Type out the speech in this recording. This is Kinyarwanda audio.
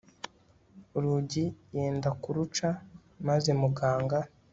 urugi yenda kuruca maze muganga